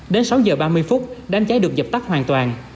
đến sáu giờ ba mươi phút đám cháy được dập tắt hoàn toàn